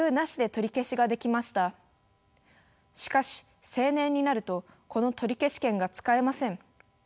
しかし成年になるとこの取消権が使えません。